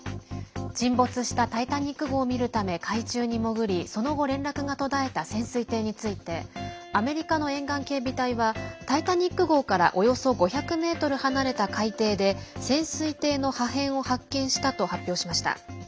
沈没したタイタニック号を見るため海中に潜りその後、連絡が途絶えた潜水艇についてアメリカの沿岸警備隊はタイタニック号からおよそ５００ｍ離れた海底で潜水艇の破片を発見したと発表しました。